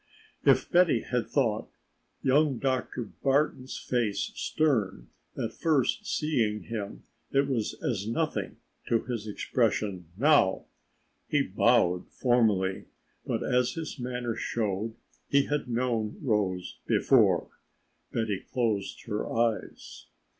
If Betty had thought young Dr. Barton's face stern on first seeing him it was as nothing to his expression now. He bowed formally, but as his manner showed he had known Rose before, Betty closed her eyes.